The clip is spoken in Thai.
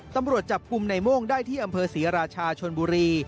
ตำรวจจับกลุ่มในโม่งได้ที่อำเภอศรีราชาชนบุรี